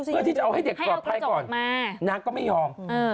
เพื่อที่จะเอาให้เด็กปลอดภัยก่อนนางก็ไม่ยอม